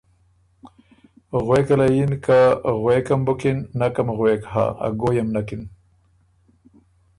غوېکه له یِن که ”غوېکم بُکِن، نکم غوېک هۀ، ا ګویم نکِن“